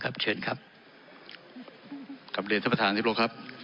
คำเดศประธานสิบล้อครับ